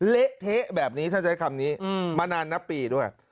เละเทะแบบนี้ถ้าใช้คำนี้มานานนับปีด้วย